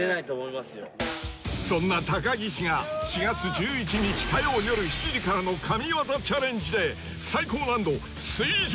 そんな高岸が４月１１日火曜よる７時からの「神業チャレンジ」で最高難度水上